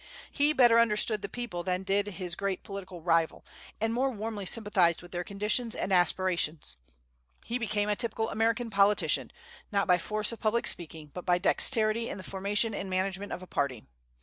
He better understood the people than did his great political rival, and more warmly sympathized with their conditions and aspirations. He became a typical American politician, not by force of public speaking, but by dexterity in the formation and management of a party.